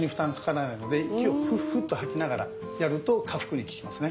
息をフッフッと吐きながらやると下腹部に効きますね。